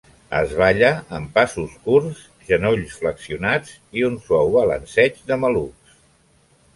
Es balla amb passos curts, genolls flexionats i un suau balanceig de malucs.